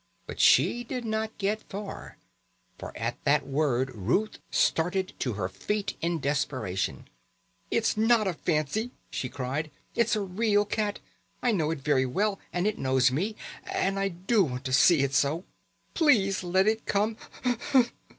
But she did not get far, for at that word Ruth started to her feet in desperation. "It isn't a fancy!" she cried; "it's a real cat. I know it very well and it knows me. And I do want to see it so. Please let it come."